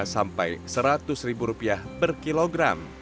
sampai rp seratus per kilogram